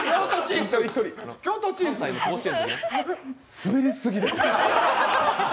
スベりすぎです。